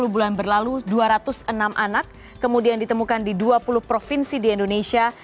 sepuluh bulan berlalu dua ratus enam anak kemudian ditemukan di dua puluh provinsi di indonesia